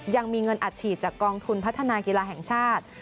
ยังมีเงินอัดฉีดจากกองทุนพัฒนากีฬาแห่งชาติ